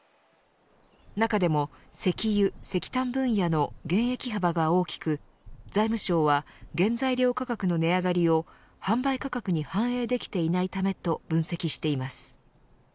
中でも石油、石炭分野の減益幅が大きく財務省は原材料価格の値上がりを販売価格に反映できていないためと分析しています。